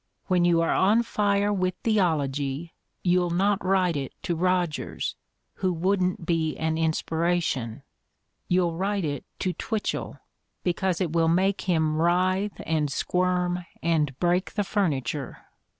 When you are on fire with theology you'll not write it to Rogers, who wouldn't be an inspiration; you'll write it to Twitchell, because it will make him writhe and squirm and break the furniture.